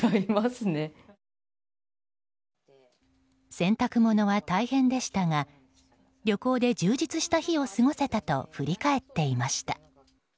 洗濯物は大変でしたが旅行で充実した日を過ごせたと振り返っていました。